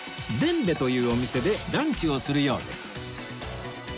傳米というお店でランチをするようです